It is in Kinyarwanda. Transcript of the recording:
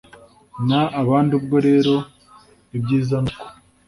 n abandi Ubwo rero ibyiza ni uko